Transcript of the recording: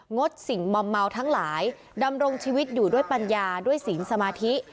งดสิ่งมอมเมาทั้งหลายดำรงชีวิตอยู่ด้วยปัญญาด้วยศีลสมาธิ